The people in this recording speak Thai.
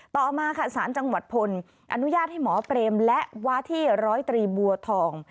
ต่อมาค่ะสารจังหวัดพลอนุญาตให้หมอเปรมและวาที่ร้อยตรีบัวทอง